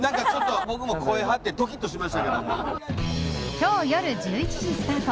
今日夜１１時スタート